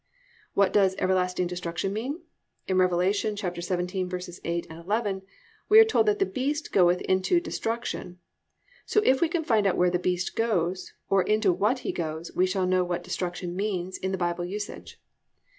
What does "everlasting destruction" mean? In Rev. 17:8, 11 we are told that the beast goeth into "destruction," so if we can find out where the beast goes, or into what he goes, we shall know what "destruction" means in the Bible usage.